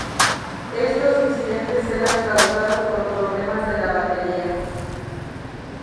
Estos incidentes eran causados por problemas de la batería.